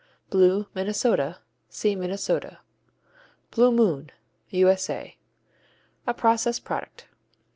Blue, Minnesota see Minnesota. Blue Moon U.S.A. A process product.